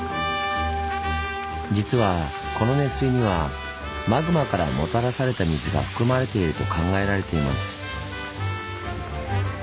実はこの熱水にはマグマからもたらされた水が含まれていると考えられています。